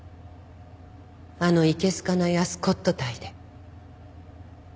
あのいけ好かないアスコットタイで。